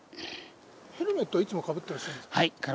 ヘルメットはいつもかぶってらっしゃるんですか？